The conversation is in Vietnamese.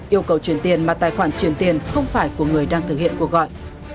yêu cầu chuyển tiền mà tài khoản truyền tiền không phải của người đang thực hiện cuộc gọi